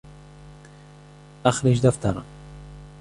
أخرج دفترًا.